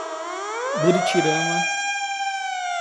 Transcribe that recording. Buritirama